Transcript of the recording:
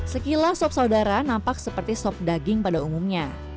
sekilas sop saudara nampak seperti sop daging pada umumnya